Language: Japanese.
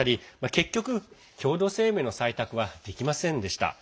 結局、共同声明の採択はできませんでした。